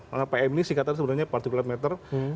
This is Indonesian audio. karena pm ini sih katanya sebenarnya partikulat meter